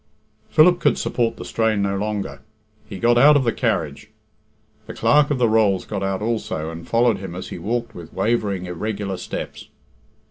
Philip could support the strain no longer. He got out of the carriage. The Clerk of the Rolls got out also, and followed him as he walked with wavering, irregular steps.